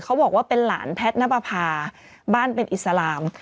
เขาบอกว่าเป็นหลานแพทย์นับประพาบ้านเป็นอิสลาม